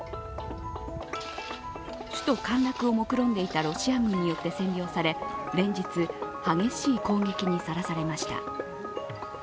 首都陥落をもくろんでいたロシア軍によって占領され連日、激しい攻撃にさらされました。